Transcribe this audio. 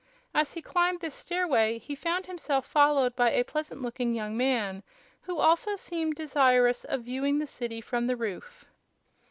As he climbed this stairway he found himself followed by a pleasant looking young man, who also seemed desirous of viewing the city from the roof.